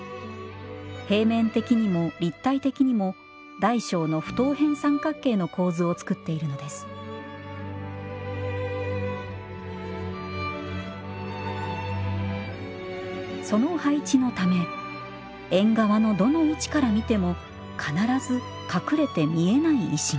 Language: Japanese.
平面的にも立体的にも大小の不等辺三角形の構図をつくっているのですその配置のため縁側のどの位置から見ても必ず隠れて見えない石が。